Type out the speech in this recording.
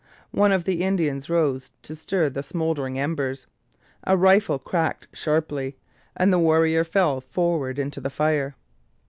One of the Indians rose to stir the smouldering embers. A rifle cracked sharply, and the warrior fell forward into the fire.